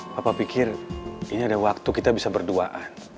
papa pikir ini ada waktu kita bisa berdoa